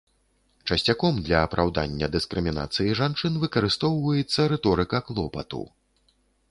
Часцяком для апраўдання дыскрымінацыі жанчын выкарыстоўваецца рыторыка клопату.